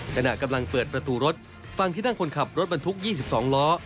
ในหน้ากำลังเปิดประตูรถฟังที่นั่งคนขับรถบรรทุกยี่สิบสองล้อ